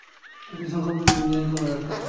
এখন এদের সংখ্যা দিনে দিনে কমে যাচ্ছে।